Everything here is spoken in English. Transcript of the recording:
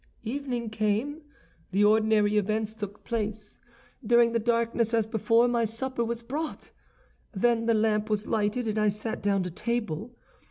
"Evening came; the ordinary events took place. During the darkness, as before, my supper was brought. Then the lamp was lighted, and I sat down to table.